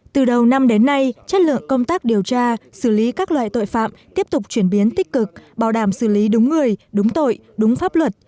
từ đầu năm đến nay chất lượng công tác điều tra xử lý các loại tội phạm tiếp tục chuyển biến tích cực bảo đảm xử lý đúng người đúng tội đúng pháp luật